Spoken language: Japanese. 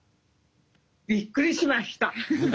びっくりしました。